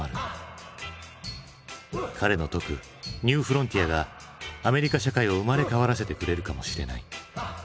彼の説くニューフロンティアがアメリカ社会を生まれ変わらせてくれるかもしれない。